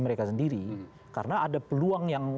mereka sendiri karena ada peluang yang